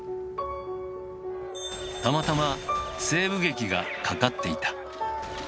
たまたま西部劇がかかっていた。